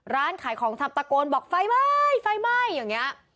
ร้านขายของชำตะโกนบอกไฟไหม้ไฟไหม้อย่างนี้